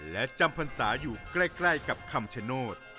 และจำพรรษาอยู่ใกล้กับคำชโนธ